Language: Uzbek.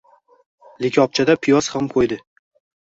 Likopchada piyoz ham qo‘ydi.